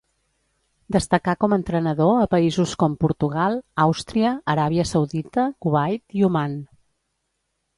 Destacà com entrenador a països com Portugal, Àustria, Aràbia Saudita, Kuwait i Oman.